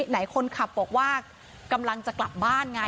ไหนคนขับบอกว่ากำลังจะกลับบ้านไง